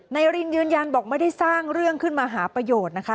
รินยืนยันบอกไม่ได้สร้างเรื่องขึ้นมาหาประโยชน์นะคะ